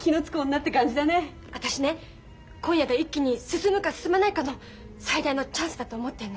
私ね今夜が一気に進むか進まないかの最大のチャンスだと思ってんの。